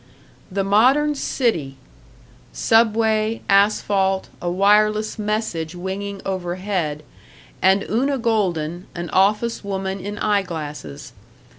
The modern city! Subway, asphalt, a wireless message winging overhead, and Una Golden, an office woman in eye glasses.